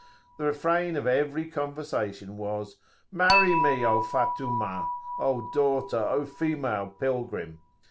The refrain of every conversation was "Marry me, O Fattumah! O daughter! O female pilgrim!"